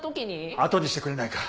あとにしてくれないか。